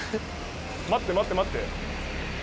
待って待って待って。